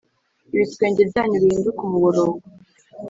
Ibitwenge byanyu bihinduke umuborogo